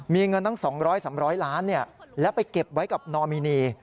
มีเงินตั้ง๒๐๐๓๐๐ล้านแล้วไปเก็บไว้กับนอมินี